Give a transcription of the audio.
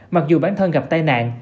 mặc dù bản thân gặp tai nạn